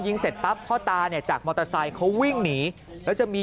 เสร็จปั๊บพ่อตาเนี่ยจากมอเตอร์ไซค์เขาวิ่งหนีแล้วจะมี